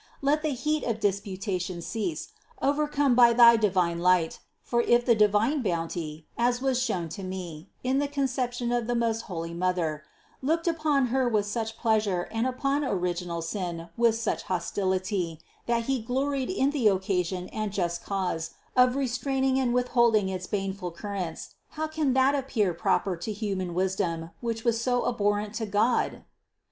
Let the heat of disputation cease, overcome by thy divine light; for if the divine Bounty, as was shown to me, in the Conception of the most holy Mother, looked upon Her with such pleasure and upon original sin with such hostility that He gloried in the occasion and just cause of restraining and with holding its baneful currents, how can that appear proper to human wisdom, which was so abhorrent to God?